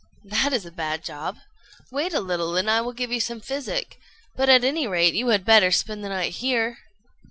"That is a bad job. Wait a little, and I will give you some physic; but, at any rate, you had better spend the night here."